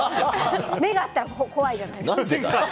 目が合ったら怖いじゃないですか。